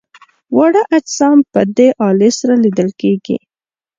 واړه اجسام په دې الې سره لیدل کیږي.